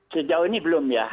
sejauh ini belum ya